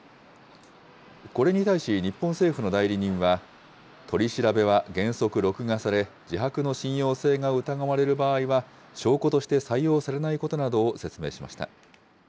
これに対し、日本政府の代理人は、取り調べは原則録画され、自白の信用性が疑われる場合は、証拠として採用されないことなどを説明しました。